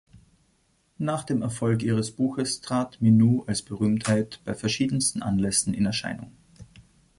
Nach dem Erfolg ihres Buches trat Minou als Berühmtheit bei verschiedensten Anlässen in Erscheinung.